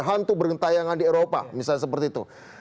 untuk berintayangan di eropa misalnya seperti itu